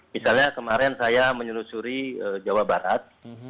misalnya kemarin saya menyelusuri jawa barat